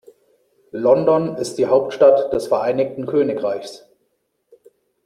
London ist die Hauptstadt des Vereinigten Königreichs.